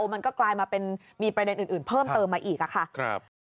มันก็กลายมาเป็นมีประเด็นอื่นเพิ่มเติมมาอีกค่ะ